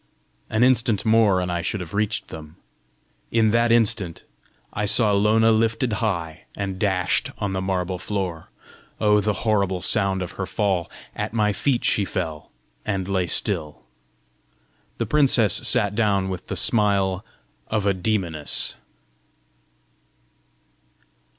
An instant more and I should have reached them! in that instant I saw Lona lifted high, and dashed on the marble floor. Oh, the horrible sound of her fall! At my feet she fell, and lay still. The princess sat down with the smile of a demoness.